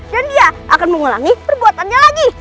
dan dia akan mengulangi perbuatannya lagi